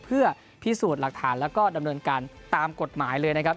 เพื่อพิสูจน์หลักฐานแล้วก็ดำเนินการตามกฎหมายเลยนะครับ